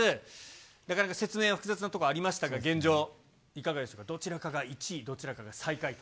なかなか説明が複雑なところがありましたが、現状、いかがでしょうか、どちらかが１位、どちらかが最下位と。